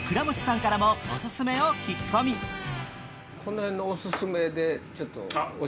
ここでこの辺のおすすめでちょっと。